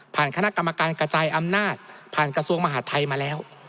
คณะกรรมการกระจายอำนาจผ่านกระทรวงมหาดไทยมาแล้ว